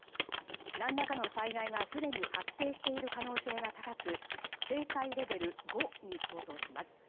何らかの災害がすでに発生している可能性が高く警戒レベル５に相当します。